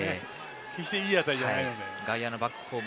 決していい当たりじゃないので。